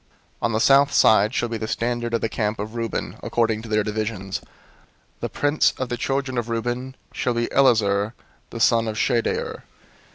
002:010 "On the south side shall be the standard of the camp of Reuben according to their divisions. The prince of the children of Reuben shall be Elizur the son of Shedeur.